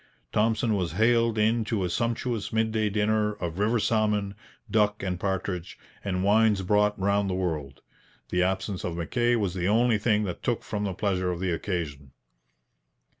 Thompson was haled in to a sumptuous midday dinner of river salmon, duck and partridge, and wines brought round the world. The absence of Mackay was the only thing that took from the pleasure of the occasion.